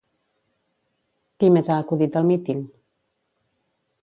Qui més ha acudit al míting?